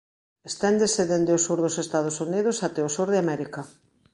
Esténdese dende o sur dos Estados Unidos até o sur de América.